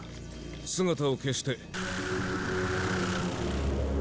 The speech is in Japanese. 姿を消して。